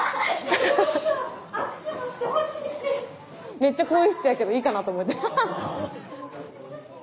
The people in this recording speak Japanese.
めっちゃ更衣室やけどいいかなと思って。